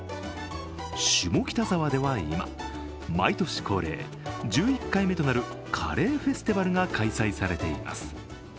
下北沢では今、毎年恒例１１回目となるカレーフェスティバルが開催されています。